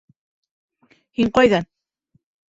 Һин ҡайҙан?